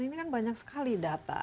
ini kan banyak sekali data